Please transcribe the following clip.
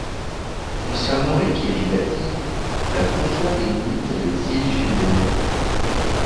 Concernant les Kiribati, la frontière délimite les Îles Gilbert.